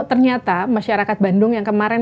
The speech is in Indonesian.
ternyata masyarakat bandung yang kemarin